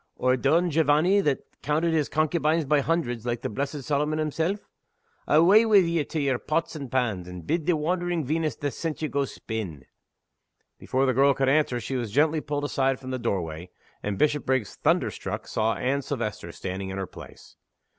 or Don Jovanny that counted his concubines by hundreds, like the blessed Solomon himself? Awa' wi' ye to yer pots and pans; and bid the wandering Venus that sent ye go spin!" Before the girl could answer she was gently pulled aside from the doorway, and Bishopriggs, thunder struck, saw Anne Silvester standing in her place.